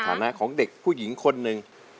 ฐานะของเด็กผู้หญิงคนหนึ่ง